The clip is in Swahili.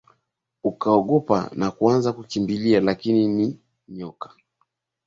ukaogopa na kuanza kukimbia lakini ni nyoka